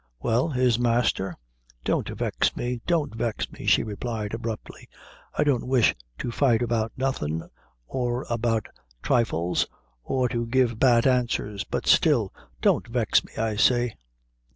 "Well, his masther?" "Don't vex me don't vex me," she replied, abruptly; "I don't wish to fight about nothing, or about thrifles, or to give bad answers; but still, don't vex me, I say."